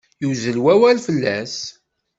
Yuzzel wawal fell-as.